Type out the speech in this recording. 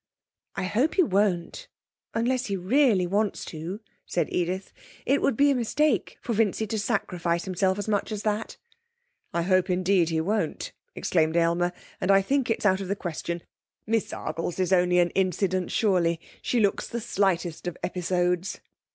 'I hope he won't, unless he really wants to,' said Edith. 'It would be a mistake for Vincy to sacrifice himself as much as that.' 'I hope indeed he won't,' exclaimed Aylmer. 'And I think it's out of the question. Miss Argles is only an incident, surely. She looks the slightest of episodes.'